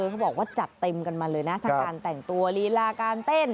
เขาบอกว่าจัดเต็มกันมาเลยนะทั้งการแต่งตัวลีลาการเต้น